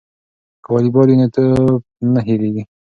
که والیبال وي نو ټوپ نه هیریږي.